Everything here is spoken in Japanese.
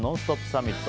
サミット。